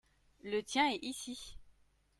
le tien est ici.